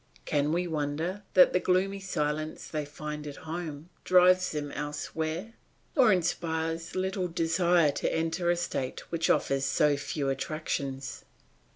Can we wonder that the gloomy silence they find at home drives them elsewhere, or inspires little desire to enter a state which offers so few attractions?